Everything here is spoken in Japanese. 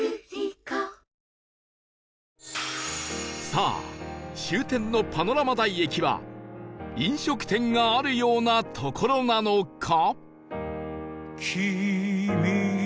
さあ終点のパノラマ台駅は飲食店があるような所なのか？